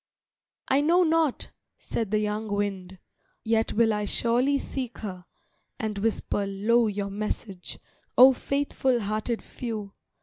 "I know not," said the young wind, "Yet will I surely seek her, And whisper low your message Oh faithful hearted few.